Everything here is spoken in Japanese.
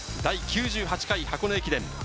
第９８回箱根駅伝。